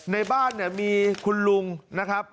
ในบ้านเนี่ยมีคุณลุงนะครับ